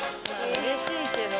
うれしいけど。